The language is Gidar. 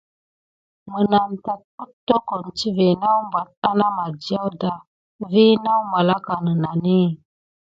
Menam tat éttokon tivé nawbate ana madiaw da vi naw malaka nənani.